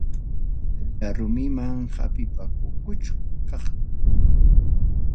Sacha rumiman hapipakuchkaqta.